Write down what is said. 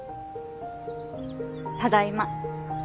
ただいま。